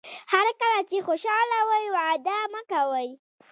هر کله چې خوشاله وئ وعده مه کوئ.